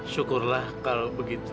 syukurlah kalau begitu